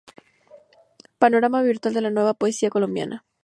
Panorama Virtual de la Nueva Poesía Colombiana